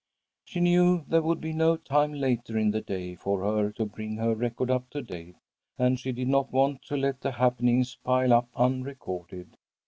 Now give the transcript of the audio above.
She knew there would be no time later in the day for her to bring her record up to date, and she did not want to let the happenings pile up unrecorded.